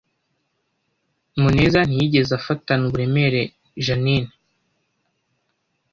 Muneza ntiyigeze afatana uburemere Jeaninne